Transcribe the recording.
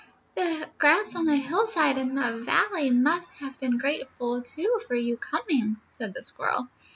"The grass on the hillside and in the valley must have been grateful, too, for your coming," said the squirrel.